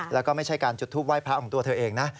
แล้วก็ไม่ใช่การจุดทูปไห้พระของตัวเธอเองนะ